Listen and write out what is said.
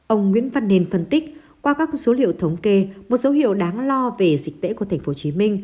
ông nguyễn văn nền phân tích qua các số liệu thống kê một số hiệu đáng lo về dịch tễ của tp hcm